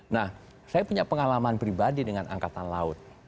nah saya punya pengalaman pribadi dengan angkatan laut